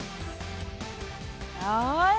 よし！